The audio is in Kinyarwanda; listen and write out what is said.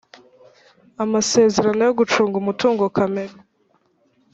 Amasezerano yo gucunga umutungo kamere